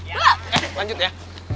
eh lanjut ya